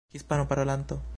hispanparolanto